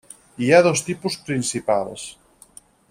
Hi ha dos tipus principals.